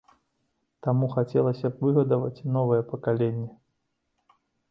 Таму хацелася б выгадаваць новае пакаленне.